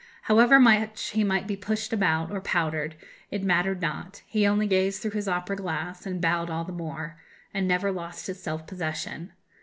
However much he might be pushed about, or powdered, it mattered not; he only gazed through his opera glass, and bowed all the more, and never lost his self possession.